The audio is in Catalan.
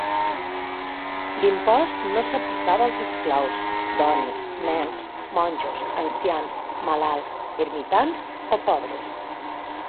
L'impost no s'aplicava als esclaus, dones, nens, monjos, ancians, malalts, ermitans o pobres.